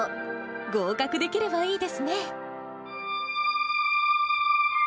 合格できればいいですね。